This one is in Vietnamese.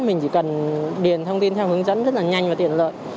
mình chỉ cần điền thông tin theo hướng dẫn rất là nhanh và tiện lợi